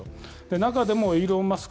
中でもイーロン・マスク